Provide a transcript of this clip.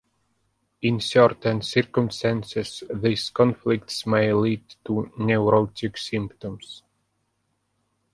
In certain circumstances, these conflicts may lead to neurotic symptoms.